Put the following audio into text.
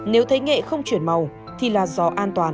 nếu thấy nghệ không chuyển màu thì là do an toàn